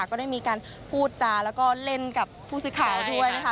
ก็ได้มีการพูดจาแล้วก็เล่นกับผู้สื่อข่าวด้วยนะคะ